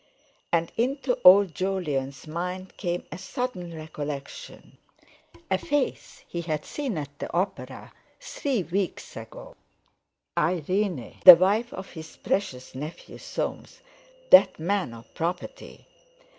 And into old Jolyon's mind came a sudden recollection—a face he had seen at that opera three weeks ago—Irene, the wife of his precious nephew Soames, that man of property!